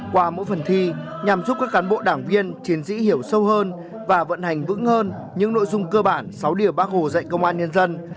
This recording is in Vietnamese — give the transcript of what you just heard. qua mỗi phần thi nhằm giúp các cán bộ đảng viên chiến sĩ hiểu sâu hơn và vận hành vững hơn những nội dung cơ bản sáu điều bác hồ dạy công an nhân dân